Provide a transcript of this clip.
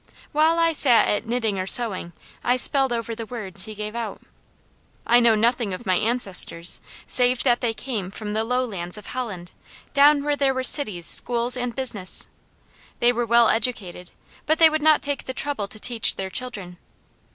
While I sat at knitting or sewing, I spelled over the words he gave out. I know nothing of my ancestors, save that they came from the lowlands of Holland, down where there were cities, schools, and business. They were well educated, but they would not take the trouble to teach their children.